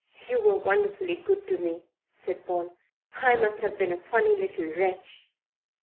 "You were wonderfully good to me," said Paul. "I must have been a funny little wretch."